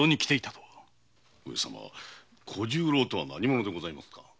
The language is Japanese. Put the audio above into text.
小十郎とは何者でございますか？